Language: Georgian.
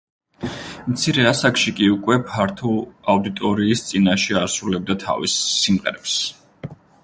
მცირე ასაკში კი უკვე ფართო აუდიტორიის წინაშე ასრულებდა თავის სიმღერებს.